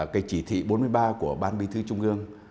cái chỉ thị bốn mươi ba của ban bí thư trung ương